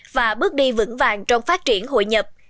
và bước đi vững vàng trong phát triển hội nhập